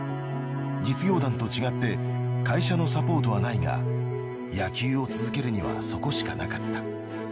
実業団と違って会社のサポートはないが野球を続けるにはそこしかなかった。